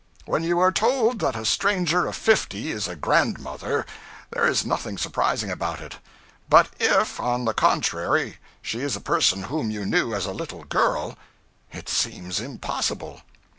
When you are told that a stranger of fifty is a grandmother, there is nothing surprising about it; but if, on the contrary, she is a person whom you knew as a little girl, it seems impossible.